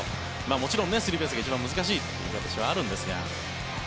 もちろんスリーベースが一番難しいということはあるんですが。